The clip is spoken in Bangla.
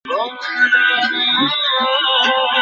তুমি ওই বিমানে ছিলে?